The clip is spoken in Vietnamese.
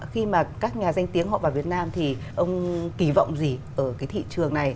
khi mà các nhà danh tiếng họ vào việt nam thì ông kỳ vọng gì ở cái thị trường này